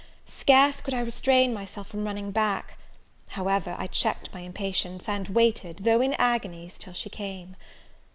scarce could I restrain myself from running back: however, I checked my impatience, and waited, though in agonies, till she came.